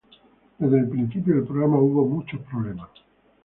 Desde el principio del programa hubo muchos problemas.